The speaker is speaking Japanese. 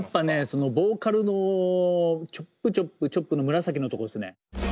そのボーカルのチョップチョップチョップの紫のとこですね。